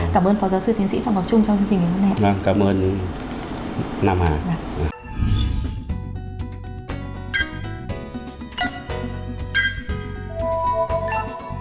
cảm ơn phó giáo sư tiến sĩ phạm ngọc trung trong chương trình ngày hôm nay